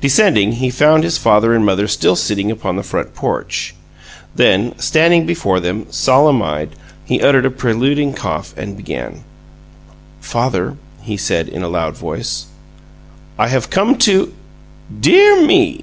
Descending, he found his father and mother still sitting upon the front porch. Then, standing before them, solemn eyed, he uttered a preluding cough, and began: "Father," he said in a loud voice, "I have come to " "Dear me!"